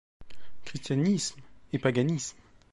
Christianisme et paganisme.